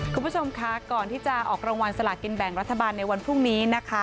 คุณผู้ชมคะก่อนที่จะออกรางวัลสลากินแบ่งรัฐบาลในวันพรุ่งนี้นะคะ